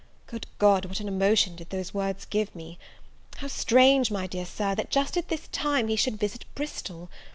Good God, what an emotion did those words give me! How strange, my dear Sir, that, just at this time, he should visit Bristol!